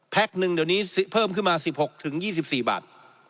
หนึ่งเดี๋ยวนี้เพิ่มขึ้นมา๑๖๒๔บาท